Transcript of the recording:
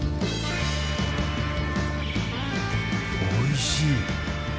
おいしい。